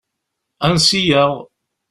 Ansi-aɣ?